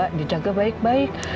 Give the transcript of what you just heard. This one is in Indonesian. orang tua dijaga baik baik